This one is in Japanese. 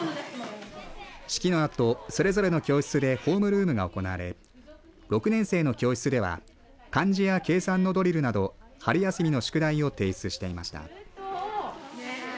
式のあと、それぞれの教室でホームルームが行われ６年生の教室では漢字や計算のドリルなど春休みの宿題を提出していました。